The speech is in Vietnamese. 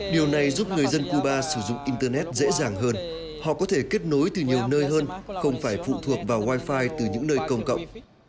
điều này giúp người dân cuba sử dụng internet dễ dàng hơn họ có thể kết nối từ nhiều nơi hơn không phải phụ thuộc vào wifi từ những nơi công cộng